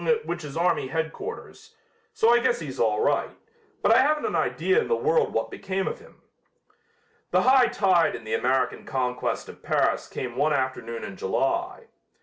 which is army headquarters, so I guess he's all right, but I haven't an idea in the world what became of him." The high tide in the American conquest of Paris came one afternoon in July.